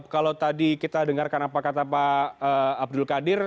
kalau tadi kita dengarkan apa kata pak abdul qadir